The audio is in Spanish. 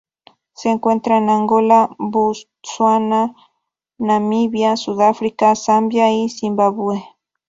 Se encuentra en Angola, Botsuana, Namibia, Sudáfrica, Zambia y Zimbabue.